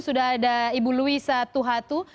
sudah ada ibu louissa tuhatu